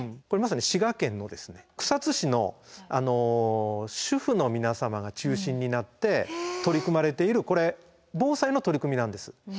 これまさに滋賀県の草津市の主婦の皆様が中心になって取り組まれているこれ防災の取り組みなんです。